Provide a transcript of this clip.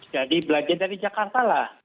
jadi belajar dari jakarta lah